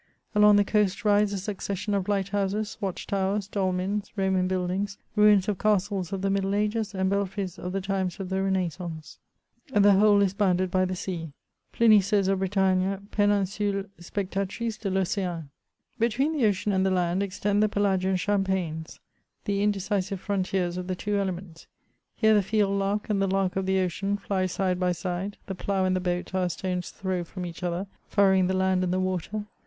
Along the coast rise a succession of Hght houses, watch towers, dolmins, Roman buildings, ruins of castles of the Middle Ages, and belfreys of the times of the Renaissance : the whole is bounded by the sea. Pliny says of Bretagne :—Peninsule spectatrice de I'oc^.*' Between the ocean and the land, extend the Pelagian Cham paigns, the indecisive frontiers of the two elements. Here the field lark and the lark of the ocean fly side by side, the plough and the boat are a stone's throw from each other, furrowing the land and the water.